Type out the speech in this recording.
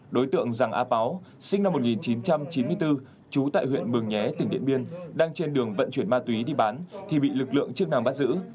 đối tượng giàng a páo sinh năm một nghìn chín trăm chín mươi bốn trú tại huyện mường nhé tỉnh điện biên đang trên đường vận chuyển ma túy đi bán thì bị lực lượng chức năng bắt giữ